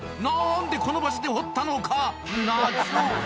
んでこの場所で掘ったのか？